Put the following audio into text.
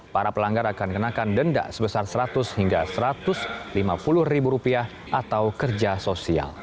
para pelanggar akan kenakan denda sebesar seratus hingga satu ratus lima puluh ribu rupiah atau kerja sosial